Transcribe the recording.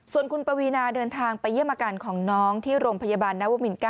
ส่วนคุณปวีนาเดินทางไปเยี่ยมอาการของน้องที่โรงพยาบาลนวมิน๙